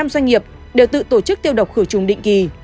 một trăm linh doanh nghiệp đều tự tổ chức tiêu độc khử trùng định kỳ